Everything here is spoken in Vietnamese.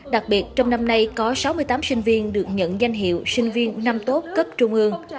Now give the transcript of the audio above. đặc biệt trong năm nay có sáu mươi tám sinh viên được nhận danh hiệu sinh viên năm tốt cấp trung ương